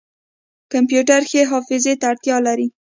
کمپیوټر ښې حافظې ته اړتیا لري.